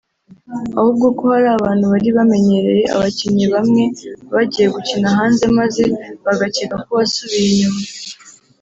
ahubwo ko hari abantu bari bamenyereye abakinnyi bamwe bagiye gukina hanze maze bagakeka ko wasubiye inyuma